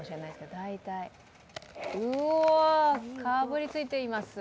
かぶりついています。